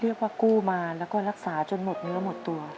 เรียกว่ากู้มาแล้วก็รักษาจนหมดเนื้อหมดตัว